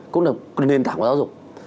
cũng là nền tảng của giáo dục